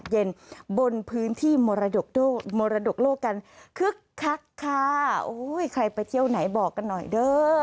หลุกโลกกันคึกคักค่ะโอ้ยใครไปเที่ยวไหนบอกกันหน่อยเด้อ